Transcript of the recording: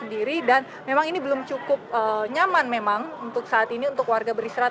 dan memang ini belum cukup nyaman memang untuk saat ini untuk warga beristirahat